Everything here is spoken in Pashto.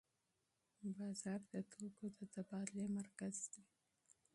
بازار د توکو د تبادلې مرکز دی.